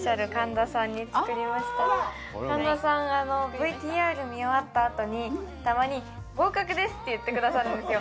神田さんＶＴＲ見終わったあとにたまに「合格です」って言ってくださるんですよ